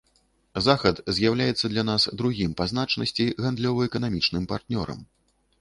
Захад з'яўляецца для нас другім па значнасці гандлёва-эканамічным партнёрам.